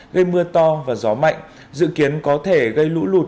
gây mưa to và gió mạnh dự kiến có thể gây lũ lụt